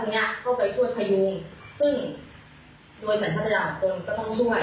กรูปผู้ชั้นก็ไปช่วยพายมซึ่งรวมในสายชาติอยากเป็นคนมันก็ต้องช่วย